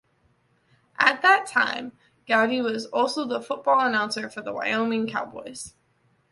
At that time, Gowdy was also the football announcer for the Wyoming Cowboys.